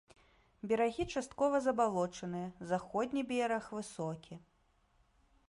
Берагі часткова забалочаныя, заходні бераг высокі.